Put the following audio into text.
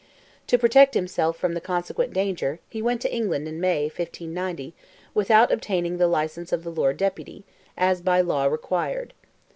To protect himself from the consequent danger, he went to England in May, 1590, without obtaining the license of the Lord Deputy, as by law required.